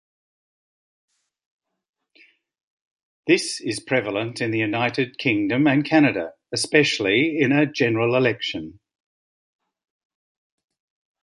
This is prevalent in the United Kingdom and Canada especially in a general election.